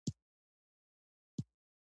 مومن خان له مرکچیانو څخه پوښتنه وکړه.